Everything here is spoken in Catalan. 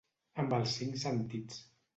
Amb els cinc sentits.